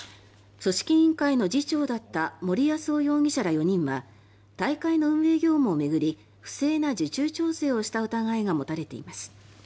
組織委員会の次長だった森泰夫容疑者ら４人は大会の運営業務を巡り不正な受注調整をした疑いが持たれています。